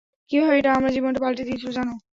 কীভাবে এটা আমার জীবনটা পাল্টে দিয়েছিল জানো?